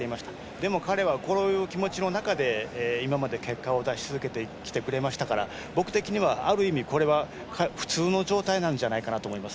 でも、彼はこういう気持ちの中で今まで結果を出し続けてきてくれましたから僕的には、ある意味これは普通の状態なんじゃないかなと思います。